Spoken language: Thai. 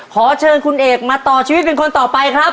ขอเชิญคุณเอกมาต่อชีวิตเป็นคนต่อไปครับ